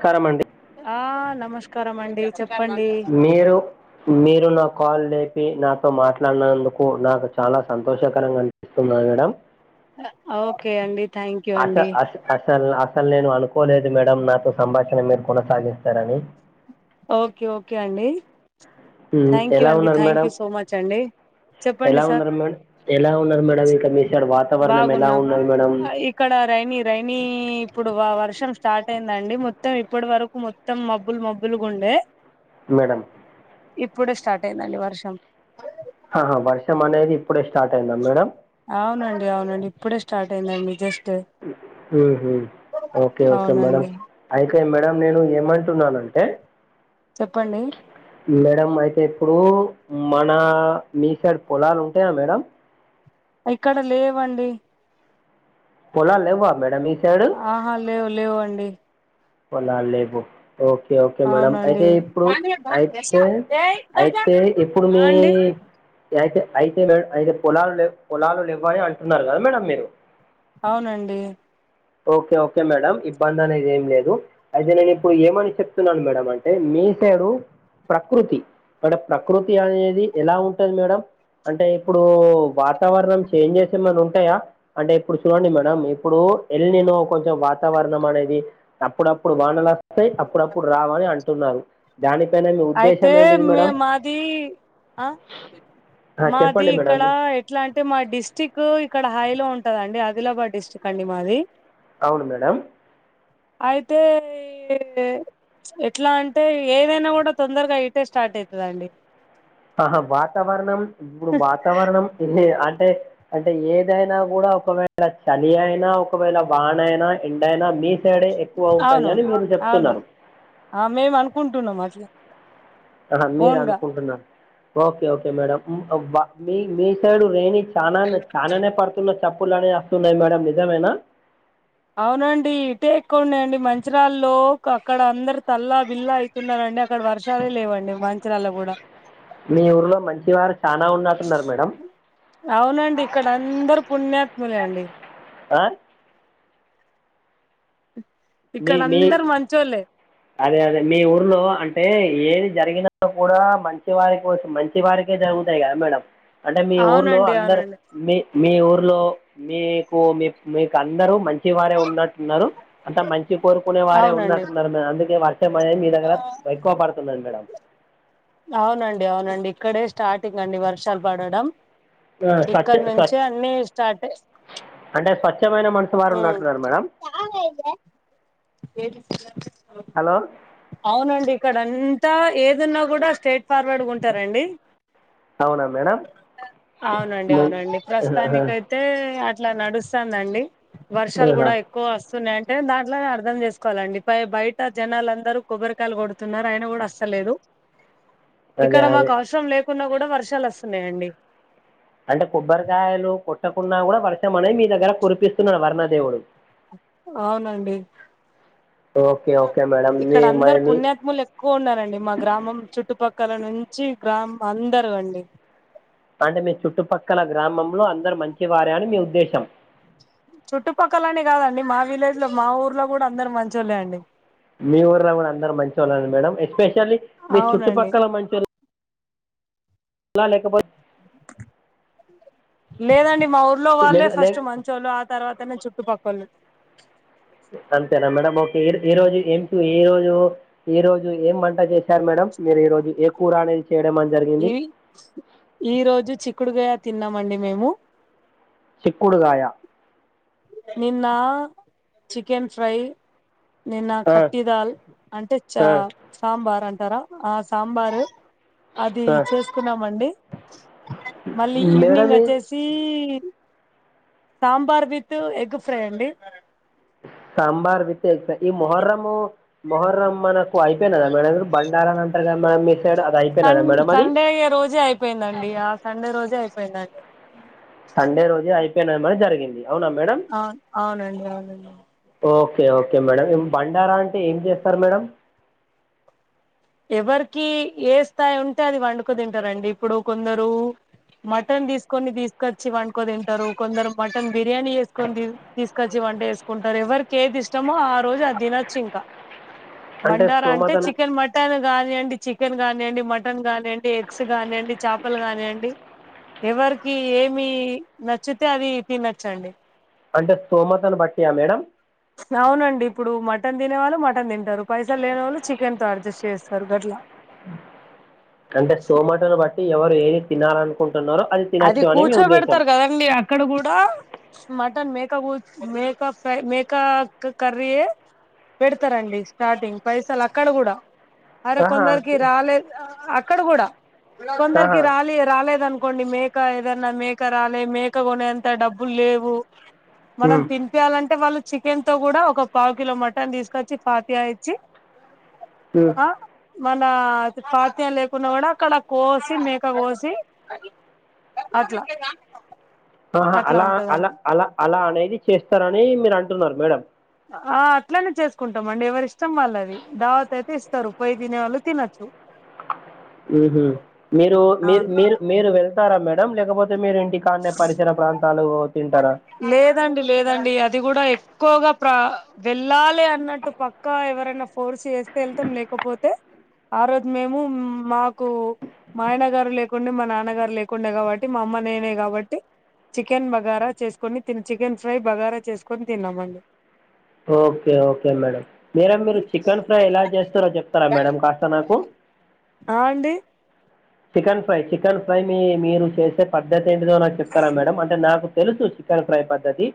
స్కారమండి. ఆ నమస్కారం అండి చెప్పండి. మీరు మీరు నా కాల్ లేపి నాతో మాట్లాడినందుకు నాకు చాలా సంతోషకరంగా అన్ స్తున్న మేడం ఏ ఓకే అండి. థ్యాంక్ యూ అసా అండి అస్ అసలు అసలు నేను అనుకోలేదు మేడం. నాతో సంభాషణ మీరు కొనసాగిస్తారని. ఓకే ఓకే అండి. ఉ థ్యాంక్ యూ ఎలా అండి ఉన్నారు thank madam. You so much అండి చెప్పండి ఎలా సార్ ఉన్నారు మేడ్ ఎలా ఉన్నారు మేడం. మీ సైడు వాతావరణం ఎలా బాగున్నాం ఉన్నది మేడం. ఇక్కడ రైైనీ రైని ఇప్పుడు వర్షం స్టార్ట్ అయిందండి మొత్తం ఇప్పటి వరకు మొంత్ త్తం మబ్బులు మబ్బులు గుండే మేడం ఇప్పుడే స్టార్ట్ అయిందండి వర్షం. ఆహా వర్షం అనేది ఇప్పుడే స్టార్ట్ అయిందా మేడం. అవునండి అవునండి ఇప్పుడే స్టార్ట్ అయిందండి జస్టు. ఉహు ఓకే ఓకే మేడం. అవునండి అయితే మేడం నేను ఏమంటున్నానంటే చెప్పండి మేడం అయితే ఇప్పుడు మన మీ సైడ్ పొలాలు ఉంటాయా మేడం. ఇక్కడ లేవండి. పొలాల్ లేవా మేడం మీ సైడు. ఆహా లేవ్ లేవండి. పొలాల్ లేవు. ఓకే ఓకే మేడం అవునండి అయితే ఇప్పుడు అయితే అయితే ఇప్పుడు మీ హు అయితే అయితే మేడ్ అయితే పొలాలు లేవ్ పొలాలు లెవ్వని అంటున్నారు కదా మేడం మీరు అవునండి. ఓకే ఓకే మేడం ఇబ్బంది అనేది ఏం లేదు. అయితే నేను ఇప్పుడు ఏమని చెప్తున్నాను మేడం అంటే మీ సేడు. ప్రకృతి మేడం ప్రకృతి అనేది ఎలా ఉంటది మేడం. అంటే ఇప్పుడు వాతావరణం చేంజెస్ ఏమనా ఉంటాయా. అంటే ఇప్పుడు చూడండి మేడం. ఇప్పుడు ఏల్ నీన్ కొంచెం వాతావరణం అనేది అప్పుడప్పుడు వానలు వస్తయ్, అప్పుడప్పుడు రావని అంటున్నారు. దానిపైన మీ అయితే ఉద్దేశం ఏంటిది మే మేడం మాది ఆ ఆ, మాది చెప్పండి ఇక్కడ మేడం ఏక్ ఇట్లాటీ మా డిస్టిక్ ఇక్కడ హై లో ఉంటదండి ఆదిలాబాద్ డిస్ట్రిక్ట్ అండి మాది. అవును మేడం. అయితే ఏయ్ ఎట్లా అంటే ఏదైనా కూడా తొందరగా ఇటే స్టార్ట్ అయితదండి. ఆహా వాతావరణం ఇప్పుడు వాతావరణం అంటే అంటే ఏదైనా కూడా ఒకవేళ చలి అయినా ఒకవేళ వాణైనా ఎండైనా మీ సైడే ఎక్కువ ఉంటది అని అవునవును మీరు అవును చెప్తున్నరు ఆ మేము అనుకుంటున్నాం అట్ల మీరు అనుకుంటున్నారు ఓకే ఓకే మేడం మీ మీ సైడు రేణి చానా చానానే పడుతున్న చప్పుళ్ళు అనేయి వస్తున్నాయి మేడం నిజమైనా అవునండి ఇటే ఎక్కుఉన్నాయి అండి మంచిరాల్లో అక్కడ అందరు తల్లా బిల్లా వస్తున్నారండి అక్కడ వర్షాలే లేవండి మంచిరాల కూడా మీ ఊర్లో మంచి వారు చాలా ఉన్నట్టున్నారు మేడం అవునండి ఇక్కడ అందరు పుణ్యాత్ములే అండి ఆ మీ ఇక్కడ మీ అందరు మంచి ఓళ్ళే అదే అదే మీ ఊర్లో అంటే ఏది జరిగినా కూడా మంచి వారి కోసం మంచి మంచి వారికే జరుగుతాయి కదా మేడం అంటే మీ ఊర్లో అవునండి అందరు అవునండి మీ మీ ఊర్లో మీకు మీ మీకు అందరు మంచి వారే ఉన్నట్టున్నారు అంతా మంచి కోరుకునే వారే అవునండి ఉన్నట్టున్నారు కదా అందుకే వర్షమ అనేది మీ దగ్గర ఎక్కువ పడుతుంది మేడం అవునండి అవునండి ఇక్కడే స్టార్టింగ్ అండి వర్షాలు పడడం ఆ, స్వచ్ఛ ఇక్కడ స్వచ్ఛ నుంచే అన్నీ స్టార్ట్ అంటే స్వచ్ఛమైన మనసు వారు ఉన్నట్టున్నారు మేడం చాలా అయితే ఏంటి స హలో అవునండి ఇక్కడ అంతా ఏది ఉన్నా కూడా స్ట్రేట్ ఫార్వర్డ్ ఉంటారండి అవునా మేడం అవునండి మీ- అవునండి ఆహా, ప్రస్తుతానికి అయితే అయితే అట్లా నడుస్తుంది అండి వర్షాలు ఆహా. కూడా ఎ ఎక్కువ వస్తున్నాయి అంటే దాంట్లోనే అర్ధం చేసుకోవాలండి బయట జనాలందరూ కొబ్బరికాయలు కొ న్నారు అయన కూడా వస్తలేదు అదే ఇక్కడ మాకు అదే అవసరం లేకున్నా కూడా వర్షాలు వస్తున్నాయండి అంటే కొబ్బరికాయలు కొట్టకున్నా కూడా వర్షం అనేది మీ దగ్గర కురిపిస్తున్నాడు వర్ణదేవుడు అవునండి ఓకే ఓకే మేడం మీ ఇక్కడ అందరు మరి మీ పుణ్యాత్ములు ఎ ఎక్కువ ఉన్నారండి మా గ్రామం చుట్టుపక్కల నుంచి గ్రామం అందరూ అండి అంటే మీ చుట్టుపక్కల గ్రామంలో అందరు మంచి వారే అని మీ ఉద్దేశం చుట్టుపక్కలనే కాదండి మా విలేజ్ లో మా ఊర్లో కూడా అందరు మంచోల్లే అండి మీ ఊర్లో కూడా అందరు మంచి వాళ్ళ మేడం ఎస్పెషల్లీ మీ అవునండి చుట్టుపక్కల మంచి అలా లేకపో లేదండి మా ఊర్లో వాళ్ళే లే- ఫస్ట్ లే- మంచోళ్ళు ఆ తర్వాతనే చుట్టుపక్కళ్ళు అంతేనా మేడం ఓకే ఈ రోజు ఎం క్యూ ఈ రోజు ఈ రోజు ఏం వంట చేశారు మేడం మీరు ఈ రోజు ఏ కూర అనేది చేయడం అని జరిగింది ఇవి ఈ రోజు చిక్కుడుగాయ తిన్నామండి మేము చిక్కుడుగాయ నిన్న చికెన్ ఫ్రై నిన్న ఆ, కట్టి దాల్ అంటే చ ఆ, సాంబార్ అంటారా ఆ సాంబారు అది ఆ. చేసుకున్నామండి మళ్ళీ మేడం ఈవినింగ్ ఈ- వచ్చేసి సాంబార్ విత్ ఎగ్ ఫ్రై అండి సాంబార్ విత్ ఎగ్ ఫ్రై అండి ఈ మొహర్రము మొహర్ర మన ఓ అయిపోయినదా మేడం బంగారం అంటరుగా మేడం మీ సైడ్ అది అయి సన్ సండే రోజే అయిపోయిందండి ఆ సండే రోజే అయిపోయిందండి సండే రోజే అయిపోయినమని జరిగింది అవునా మేడం అవున్ అవునండి అవునండి ఓకే ఓకే మేడం బండారం అంటే ఏంజేస్తరు మేడం ఎవరికీ ఏ స్థాయి ఉంటే అది వండుకు దింటారండి ఇప్పుడు కొందరూ మటన్ దీసుకొని దీసుకచ్చి వండుకొ దంటరు కొందరు మటన్ బిర్యానీ ఏసుకొని దీ తీసుకొచ్చి వంటే కుంటరు ఎవరికేదిష్టమో ఆ రోజు అద్దినచ్చు ఇంక బండారా అంటే చికెన్ మట టన్ గానియ్యండి చికెన్ గానియ్యండి మటన్ గానియ్యండి ఎగ్స్ గానియ్యండి చాపలు గానియ్యండి ఎవరికి ఏమీ నచ్చుతే అది తినచ్చండి అంటే స్తోమతను బట్టియా మేడం అవునండి ఇప్పుడు మటన్ దినే వాళ్ళు మటన్ దింటరు పైసల్లేనోళ్ళు చికెన్తో అడ్జస్ట్ జేస్తరు గట్ల అంటే స్తోమతను బట్టి ఎవరు ఏం తినాలనుకుంటున్నారో అది అది తినచ్చు అని మీ ఉద్దేశం కూర్చోబెడతరు గదండి అక్కడ గూడా మటన్ మేకగూ మేక ఫ్రై మేకా క కర్రీయే పెడతరండి స్టార్టింగ్ పైసలక్కడ గూడా అరె ఆహా కొందరికి రాలేద్ అక్కడ గూడా కొందరికి ఆహా రాలే రాలేదనుకోండి మే క ఏదన్నా మేక రాలే మేక గొనేంత డబ్బుల్లేవు మనం ఉమ్, తిన్ పియాలంటే వాళ్ళు చికెన్తో గూడా ఒక పావుకిలో మటన్ దీసుకచ్చి పాతియా ఇచ్చి [inaudible] అ మనా ఫత్యల్లేకున్నా గుడా అక్కడ కోసి మేక గోసి అట్ల ఆహా అలా అల అల అలా అనేది చేస్తరనీ మీరంటున్నరు మేడం ఆ అట్లనే జేసుకుంటమండి ఎవరిష్టం వాళ్ళుది దావతయితే ఇస్తరు పొయి దినే వాళ్ళు తినచ్చు ఊహు మీరూ మీరు అవును మీరు మీరు వెళ్తారా మేడం లేకపోతే మీరింటి కాన్నే పరిసర ప్రాంతాలో తింటరా లేదండి లేదండి అది గూడా ఎక్కువగా ప్రా వెళ్ళాలి అన్నట్టు పక్కా ఎవరైనా ఫోర్స్ జేస్తె ఎళ్తం లేకపోతే ఆ రోజు మేము మ్మాకూ మా ఆయన గారు లేకుండె మా నాన్నగారు లేకుండె గాబట్టి మా అమ్మ నేనే గా బట్టి చికెన్ బగారా చేసుకొని తిన్ చికెన్ ఫ్రై బగారా చేసుకొని దిన్నామండి ఓకే ఓకే మేడం మేడం మీరు చికన్ ఫ్రై ఎలా జేస్తరో చెప్తరా మేడం కాస్త నాకు ఆ అండి చికన్ ఫ్రై చికన్ ఫ్రై మీ మీరు చేసే పద్ధతి ఏంటిదో నాక్ చెప్తరా మేడం అంటే నాకు తెలుసు చికన్ ఫ్రై పద్ధతి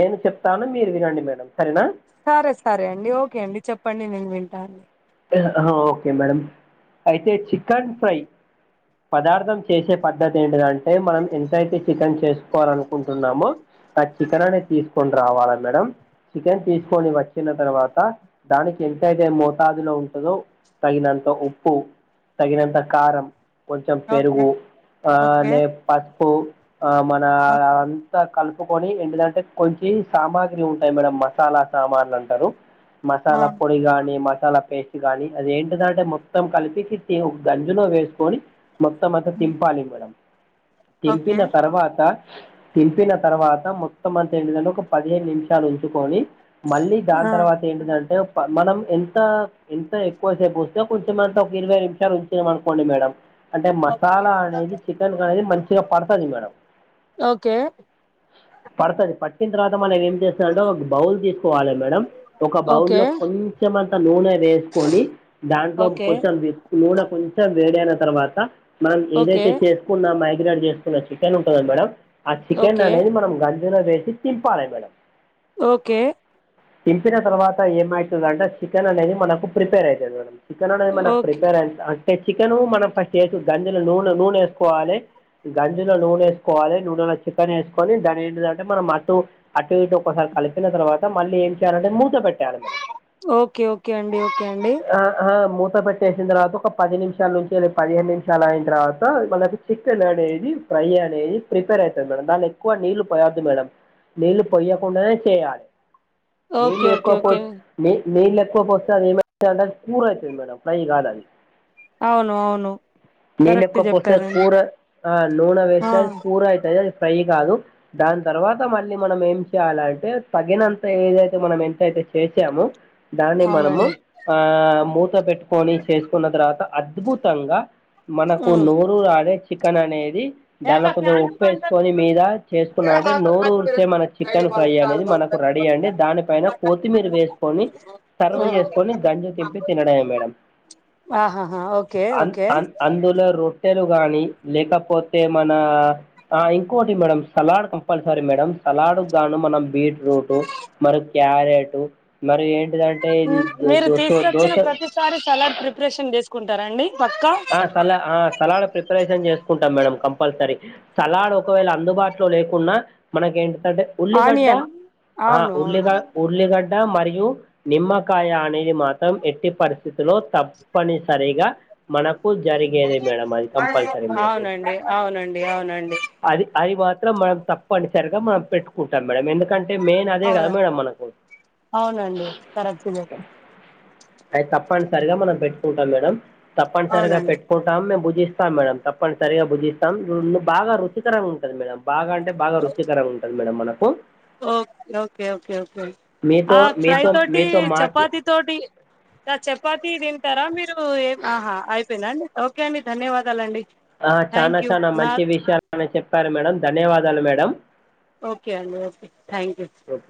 నేను చెప్తాను మీరు వినండి మేడం సరేనా సరే సరే అండి ఓకే అండి చెప్పండి నేను వింటాను ఎ అహా ఓకే మేడం అయితే చికన్ ఫ్రై పదార్థం చేసే పద్ధతి ఏంటిదంటే మనం ఎంతైతే చికన్ చేసుకోవాలనుకుంటున్నామో ఆ చికెననేద్ తీసుకొని రావాల మేడం చికెన్ తీసుకొని వచ్చిన తర్వాత దానికెంతయితే మో తాదులో ఉంటదో తగినంత ఉప్పు తగినంత కారం కొంచం ఓకే పెరుగు ఓకే అలానే పస్పు ఆ మనా ఓకే అన్ తా కలుపుకొని ఎంటిదంటే కొంచీ సామాగ్రి ఉంటయి మేడం మసాలా సామాన్లంటరు ఆ మసాలా పొడిగానీ మ మసాలా పేస్ట్ గాని అది ఏంటిద అంటే మొత్తం కలిపి ఒక గంజిలో వేసుకొని మొత్తం మత్త తింపాలి మేడం ఓకే తెంపిన తర్వాత తింపిన తర్వాత మొత్తం అంత ఏంటిదంటే ఒక పదిహేను నిమిషాలు ఉంచుకొని మళ్ళీ దాని ఆ తర్వాత ఏంటందంటే మనం ఎంత ఎంత ఎక్కువసేపు కొంచమంతా ఒక ఇరవై నిమిషాలు ఉంచినామ అనుకోండి మేడం అంటే మసాలా అనేది చికెన్ కి అనేది మంచిగా పడుతుంది మేడం ఓకే పడతది పట్టిన తర్వాత మనం ఏం చేస్తాం అంటే ఒక బౌల్ తీసుకోవాలి మేడం ఒక బౌల్ ఓకే లో కొంచెం అం నూనె వేసుకొని దాంట్లో ఓకే కొంచెం నూనె కొంచెం వేడి అయిన తర్వాత మనం ఓకే ఏదైతే చేసుకున్న మైగ్రేట్ చేసుకున్న చికెన్ ఉంటుంద మేడం ఆ చికెన్ ఓకే అనేది మనం గంజలో వేసి తింపాలి మేడం ఓకే దింపిన తర్వాత ఏమవుతుందంటే చికెన్ అనేది మనకు ప్రిపేర్ అవుతుంది మేడం చికెన్ అనేది మనకు ఓకే ప్రిపేర్ అయింది అంటే చికెన్ మనం ఫస్ట్ గంజలో నూనె నూనె వేసుకోవాలి గంజలో నూనె వేసుకోవాలి నూనెలో చికెన్ వేసుకోవాలి దాని ఏంటిదంటే మనం అటు అటు ఇటు ఒకసారి కలిపిన తర్వాత మళ్ళీ ఏం చేయాలంటే మూత పెట్టాలి మేడం ఓకే ఓకే అండి ఓకే అండి ఆ మూత పెట్టేసిన తర్వాత ఒక పది నిమిషాల నుంచి అ పదిహేను నిమిషాలు అయిన తర్వాత వాళ్ళకి చికెన్ అనేది ఫ్రై అనేది ప్రిపేర్ అయితది మేడం దానిలో ఎక్కువ నీళ్లు పోయవద్దు మేడం నీళ్లు పొయ్యకుండానే చేయాలి ఓకే నీళ్లు ఓకే ఎక్కువ పో ఓకే నీ నీళ్ళు ఎక్కువ పోస్తే అది ఏమయితదంటే అది కూర అయితది మేడం ఫ్రై కాదది అవును అవును నీళ్ళు కరెక్ట్ ఎక్కువ పోస్తే అది చెప్పారండి కూర ఆ నూనె ఆ వేస్తే కూర అయితది అది ఫ్రై కాదు దాని తర్వాత మళ్ళీ మనం ఏం చేయాలంటే తగినంత ఏదైతే మనం ఎంతయితే చేసామో దాన్ని మనము అవునండి ఆ మూత పెట్టుకొని చేసుకున్న తర్వాత అద్భుతంగా మనకు నోరు రాడే చికెన్ అనేది దానిలో కొంచెం ఉప్పేసుకొని మీద చేసుకున్నాం అంటే నోరు ఊరిసే మన చికెన్ ఫ్రై అనేది మనకు ఇప్పుడు రెడీ అండి దానిపైన కొత్తిమీర వేసుకోండి నిసర్వ్ చేసుకొని గంజు తింపి తినడమే మేడం ఆహాహా ఓకే అం ఓకే అం అందులో రొట్టెలు కానీ లేకపోతే మన ఆ ఇంకోటి madam salad compulsory madam salad గాను మనం బీట్రూట్ మరి క్యారెట్ మరి ఏంటిదంటే టే ఇది దో సో దో సో ఒకసారి సలాడ్ ప్రిపరేషన్ చేసుకుంటారా అండి పక్కా సల ఆ సలాడ్ ప్రిపరేషన్ చేసుకుంటాం మేడం కంపల్సరీ సలాడ్ ఒకవేళ అందుబాటులో లేకుండా మనకి ఏంటంటే ఉల్లీగడ్డా ఆనియన్ ఆ అవును అవును ఉల్లిగా ఉల్లిగడ్డ మరియు నిమ్మకాయ అనేది మాత్రం ఎట్టి పరిస్థితులో తప్పనిసరిగా మనకు జరిగేది మేడం అది కంపల్సరీ మనకు అవునండి అవునండి అవునండి అది అది మాత్రం మనం తప్పనిసరిగా మనం పెట్టుకుంటాం మేడం ఎందుకు కంటే మెయిన్ అదే గా అవును మేడం మనకు అవునండి కరెక్ట్గా అయితే తప్పనిసరిగా మనం పెట్టుకుంటాం మేడం తప్పనిసరిగా అవునండి పెట్ కుంటాం మేము భుజిస్తాం మేడం తప్పని సరిగా భుజిస్తం బాగా రుచికరంగా ఉంటంది మేడం బాగా అంటే బాగా రుచికరం ఉంటంది మేడం మనకు ఓకే ఓకే ఓకే ఓకే ఆ మీతో ఫ్రై మీతో తోటి మీతో మాట్లా చపాతి తోటి చపాతి తింటారా మీరు ఏ ఆహా అయిపోయిందా అండి ఓకే అండి ధన్యవాదాలండి ఆ చనా థ్యాంక్ యూ చనా నా మంచి విషయాలని చెప్పారు మేడం ధన్యవాదాలు మేడం ఓకే అండి ఓకే థ్యాంక్ యూ ఓకే